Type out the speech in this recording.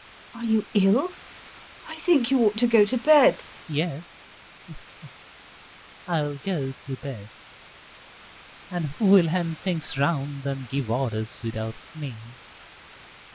Are you ill? I think you ought to go to bed.... FIERS. Yes... [With a smile] I'll go to bed, and who'll hand things round and give orders without me?